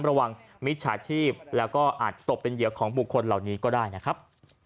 มิจฉาชีพแล้วก็อาจตกเป็นเหยื่อของบุคคลเหล่านี้ก็ได้นะครับ